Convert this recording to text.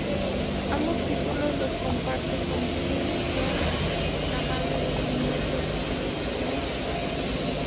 Ambos títulos los comparte con Kim Jong-suk, la madre de su nieto Kim Jong-il.